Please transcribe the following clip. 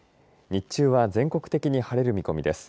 日中は全国的に晴れる見込みです。